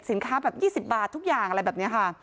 แบบ๒๐บาททุกอย่างอะไรแบบนี้ค่ะ